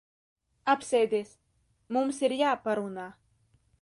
Apsēdies. Mums ir jāparunā.